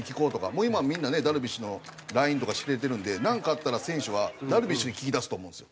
もう今みんなねダルビッシュのＬＩＮＥとか知れてるんでなんかあったら選手はダルビッシュに聞きだすと思うんですよ。